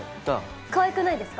かわいくないですか？